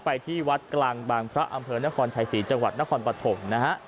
ไปที่วัดกลางบางพระอำเภอนครชายศรีจังหวัดนครปฐมนะฮะ